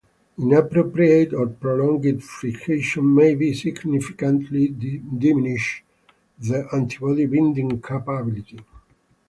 Inappropriate or prolonged fixation may significantly diminish the antibody binding capability.